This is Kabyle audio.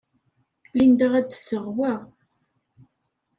Linda ad d-tseɣ wa.